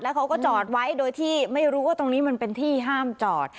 เขาก็จอดไว้โดยที่ไม่รู้ว่าตรงนี้มันเป็นที่ห้ามจอด